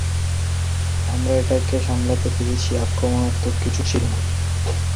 আমরা এটাকে সামলাতে পেরেছি, আক্রমণাত্মক কিছু ছিল না।